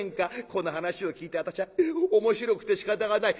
この話を聞いて私は面白くてしかたがない。